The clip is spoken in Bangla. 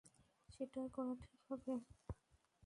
সেটাই করা ঠিক হবে।